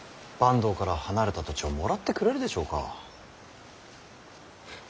坂東から離れた土地をもらってくれるでしょうか。